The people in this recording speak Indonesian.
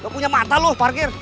lu punya mata lu parkir